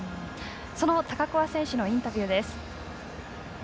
高桑選手のインタビューです。